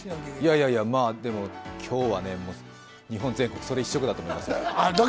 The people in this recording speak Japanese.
いやいや、でも今日は日本全国それ一色だと思いますから。